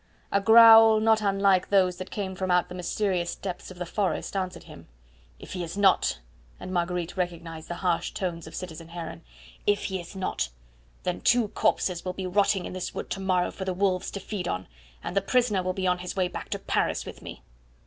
A growl not unlike those that came from out the mysterious depths of the forest answered him. "If he is not," and Marguerite recognised the harsh tones of citizen Heron "if he is not, then two corpses will be rotting in this wood tomorrow for the wolves to feed on, and the prisoner will be on his way back to Paris with me."